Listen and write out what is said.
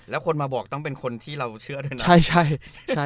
แล้วคนมาบอกต้องเป็นคนที่เราเชื่อด้วยนะ